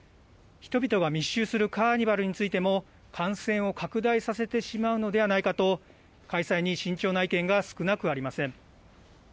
人々が密集するカーニバルについても、感染を拡大させてしまうのではないかと、開催に慎重な意見が少なくありません。